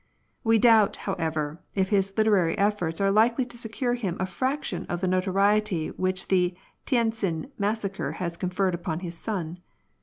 We doubt, however, if his literary efforts are likely to secure him a fraction of the notoriety which the Tientsin Massacre has conferred upon his son.